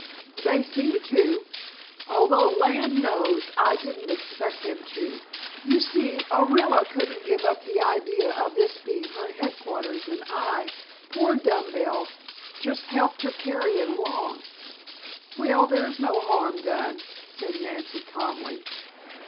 "They seem to; although, land knows, I didn't expect them to. You see, Orilla couldn't give up the idea of this being her headquarters and I, poor dumb bell, just helped her carry it along." "Well, there's no harm done," said Nancy calmly.